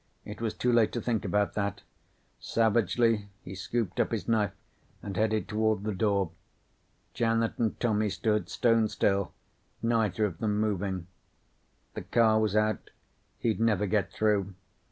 It was too late to think about that. Savagely he scooped up his knife and headed toward the door. Janet and Tommy stood stone still, neither of them moving. The car was out. He'd never get through.